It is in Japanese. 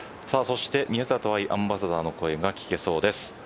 宮里藍アンバサダーの声が聞けそうです。